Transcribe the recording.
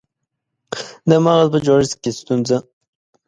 د مغز په جوړښت کې ستونزه